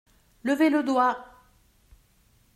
Levez le doigt !